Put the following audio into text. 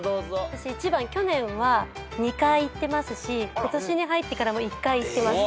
私１番去年は２回行ってますし今年に入ってからも１回行ってます。